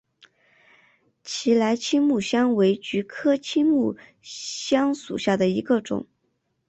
奇莱青木香为菊科青木香属下的一个种。